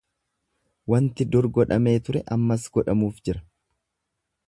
wanti dur godhamee ture, ammas godhamuuf jira;